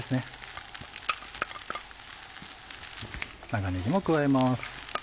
長ねぎも加えます。